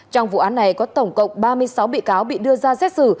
trong vụ án này có tổng cộng ba mươi sáu bị cáo bị đưa ra xét xử